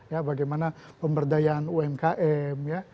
ya bagaimana pemberdayaan umkm ya